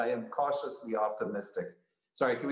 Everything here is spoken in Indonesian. nomor tujuh yaitu kegagalan